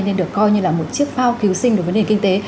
nên được coi như là một chiếc phao cứu sinh đối với nền kinh tế